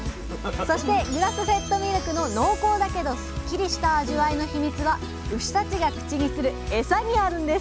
そしてグラスフェッドミルクの濃厚だけどすっきりした味わいのヒミツは牛たちが口にするエサにあるんです